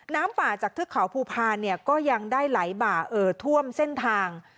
น้ำป่าจากทึกขาวภูพาก็ยังได้ไหลบ่าเออท่วมเส้นทาง